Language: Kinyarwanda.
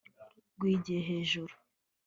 rwigiye hejuru